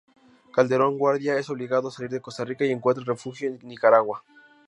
Calderón Guardia es obligado a salir de Costa Rica y encuentra refugio en Nicaragua.